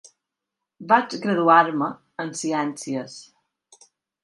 Vaig graduar-me en ciències.